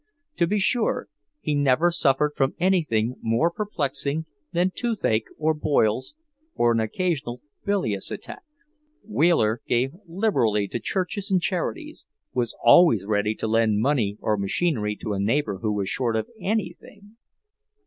To be sure, he never suffered from anything more perplexing than toothache or boils, or an occasional bilious attack. Wheeler gave liberally to churches and charities, was always ready to lend money or machinery to a neighbour who was short of anything.